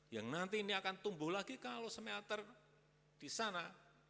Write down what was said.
yang nanti ini akan tumbuh lagi kalau smelter di sana